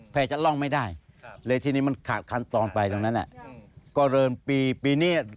เพราะทำไมจะลองไม่ได้